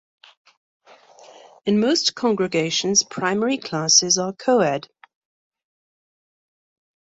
In most congregations Primary classes are co-ed.